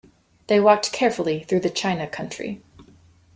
They walked carefully through the china country.